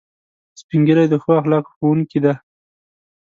سپین ږیری د ښو اخلاقو ښوونکي دي